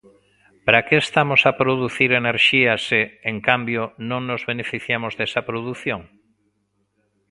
¿Para que estamos a producir enerxía se, en cambio, non nos beneficiamos desa produción?